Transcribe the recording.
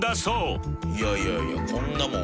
いやいやいやこんなもん。